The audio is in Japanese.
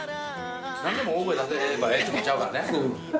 何でも大声出せばええってもんちゃうからね。